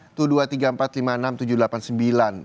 itu dua tiga empat lima enam tujuh delapan sembilan